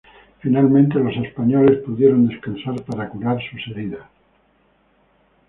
Finalmente los españoles pudieron descansar para curar sus heridas.